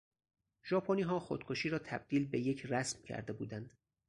ژاپنیها خودکشی را تبدیل به یک رسم کرده بودند.